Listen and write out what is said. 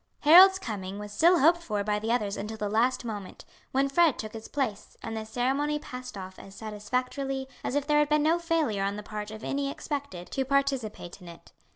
Harold's coming was still hoped for by the others until the last moment, when Fred took his place, and the ceremony passed off as satisfactorily as if there had been no failure on the part of any expected, to participate in it.